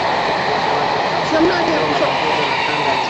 lilitoka Myanmar Wakati wa msafara waligawanyika makundi matatu